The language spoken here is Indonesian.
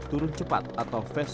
dan juga membeli